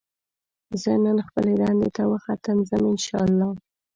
زه نن خپلې دندې ته وختي ځم ان شاءالله